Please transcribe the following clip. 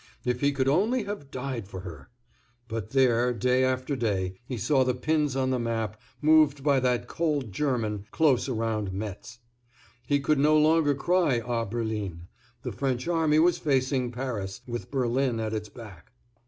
If he could only have died for her! But there, day after day, he saw the pins on the map, moved by that cold German, close around Metz. He could no longer cry "A Berlin;" the French army was facing Paris, with Berlin at its back.